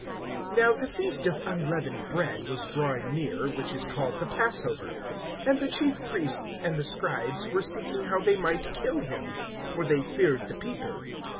NOW the feast of unleavened bread was drawing near, which is called the Passover; (2)and the chief priests and the scribes were seeking how they might kill him; for they feared the people.